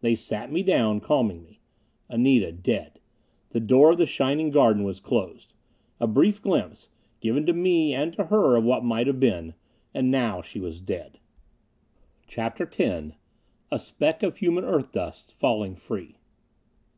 They sat me down, calming me. Anita dead. The door of the shining garden was closed. A brief glimpse, given to me and to her of what might have been. And now she was dead.... CHAPTER X _A Speck of Human Earth dust, Falling Free....